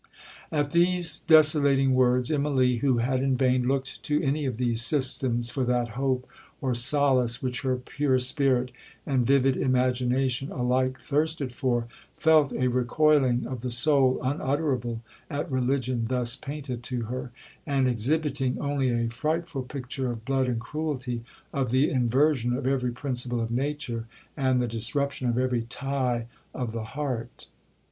At these desolating words, Immalee, who had in vain looked to any of these systems for that hope or solace which her pure spirit and vivid imagination alike thirsted for, felt a recoiling of the soul unutterable at religion thus painted to her, and exhibiting only a frightful picture of blood and cruelty, of the inversion of every principle of nature, and the disruption of every tie of the heart.